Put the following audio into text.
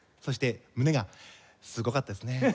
そして胸がすごかったですね。